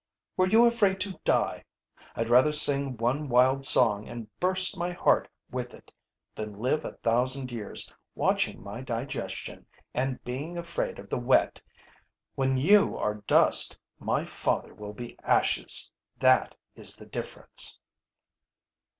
Were you afraid to die? I'd rather sing one wild song and burst my heart with it, than live a thousand years watching my digestion and being afraid of the wet. When you are dust, my father will be ashes. That is the difference."